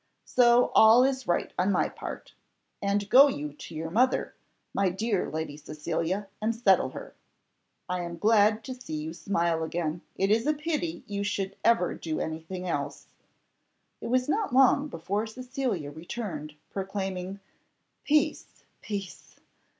So all is right on my part. And go you to your mother, my dear Lady Cecilia, and settle her. I am glad to see you smile again; it is a pity you should ever do any thing else." It was not long before Cecilia returned, proclaiming, "Peace, peace!"